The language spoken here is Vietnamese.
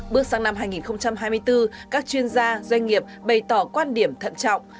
bước sang năm hai nghìn hai mươi bốn các chuyên gia doanh nghiệp bày tỏ quan điểm thận trọng